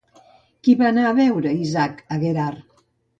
Qui va anar a veure Isaac a Guerar?